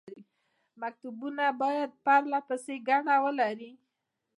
مکتوبونه باید پرله پسې ګڼه ولري.